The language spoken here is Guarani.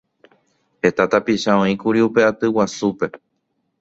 Heta tapicha oĩkuri upe aty guasúpe.